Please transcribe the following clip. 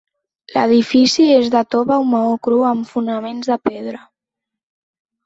L'edifici és de tova o maó cru amb fonaments de pedra.